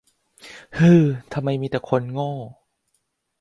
ฮือ ทำไมมีแต่คนโง่